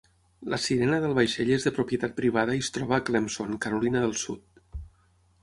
La sirena del vaixell és de propietat privada i es troba a Clemson, Carolina del Sud.